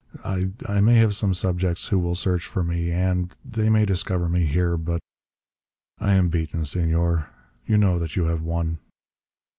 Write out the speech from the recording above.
I I may have some subjects who will search for me, and they may discover me here.... But I am beaten, Senor. You know that you have won."